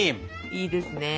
いいですね。